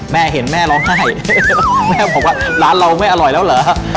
แม่เห็นแม่ร้องไห้แม่บอกว่าร้านเราไม่อร่อยแล้วเหรอ